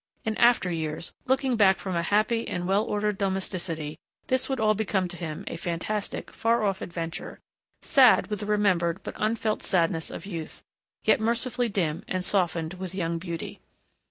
In after years, looking back from a happy and well ordered domesticity, this would all become to him a fantastic, far off adventure, sad with the remembered but unfelt sadness of youth, yet mercifully dim and softened with young beauty.